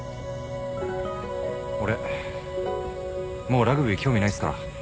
俺もうラグビー興味ないっすから。